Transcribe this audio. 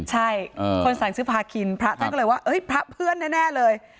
ใช่คนสั่งซื้อพาคินพระท่านก็เลยว่าพระเพื่อนแน่เลย